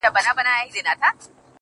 o تاسو په درد مه كوئ.